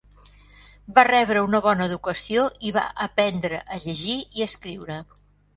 Va rebre una bona educació i va aprendre a llegir i a escriure.